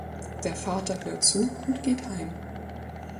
Der Vater hört zu und geht heim.